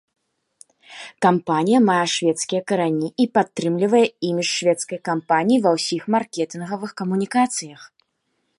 Кампанія мае шведскія карані і падтрымлівае імідж шведскай кампаніі ва ўсіх маркетынгавых камунікацыях.